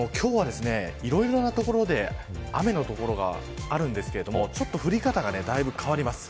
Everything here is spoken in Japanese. いろいろな所で雨の所があるんですが降り方が、だいぶ変わります。